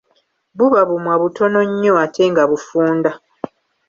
Buba bumwa butono nnyo ate nga bufunda.